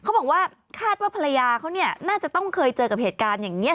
เขาบอกว่าคาดว่าภรรยาเขาเนี่ยน่าจะต้องเคยเจอกับเหตุการณ์อย่างนี้